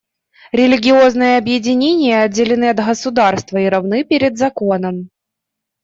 Религиозные объединения отделены от государства и равны перед законом.